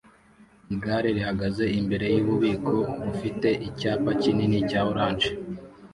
Igare rihagaze imbere yububiko bufite icyapa kinini cya orange